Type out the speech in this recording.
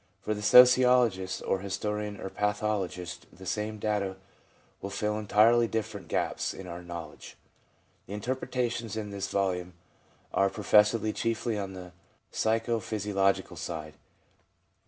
For the sociologist or historian or pathologist the same data will fill entirely different gaps in our knowledge. The interpretations in this volume are professedly chiefly on the psycho physio logical side.